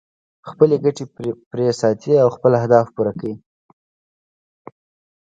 خپلې ګټې پرې ساتي او خپل اهداف پوره کوي.